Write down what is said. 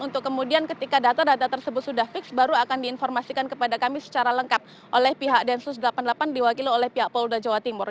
untuk kemudian ketika data data tersebut sudah fix baru akan diinformasikan kepada kami secara lengkap oleh pihak densus delapan puluh delapan diwakili oleh pihak polda jawa timur